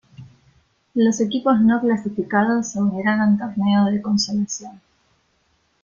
Los equipos no clasificados se unirán al torneo de consolación.